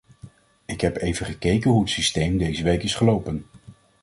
Ik heb even gekeken hoe het systeem deze week is gelopen.